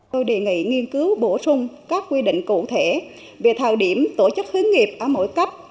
tôi đề nghị nghiên cứu bổ sung các quy định cụ thể về thảo điểm tổ chức hướng nghiệp ở mỗi cấp